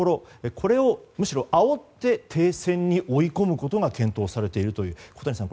これをむしろあおって停戦に追い込むことが検討されているという、小谷さん